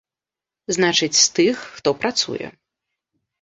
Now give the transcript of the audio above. Значыць, з тых, хто працуе.